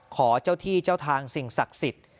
ขอเจ้าที่เจ้าทางสิ่งศักดิ์สิทธิ์